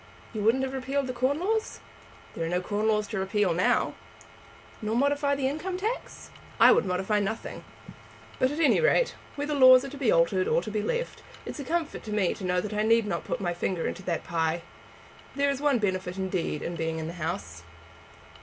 "You wouldn't have repealed the corn laws?" "There are no corn laws to repeal now." "Nor modify the income tax?" "I would modify nothing. But at any rate, whether laws are to be altered or to be left, it is a comfort to me that I need not put my finger into that pie. There is one benefit indeed in being in the House."